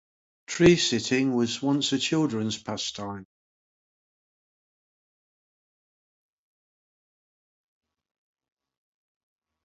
Tree-sitting was once a children's pastime.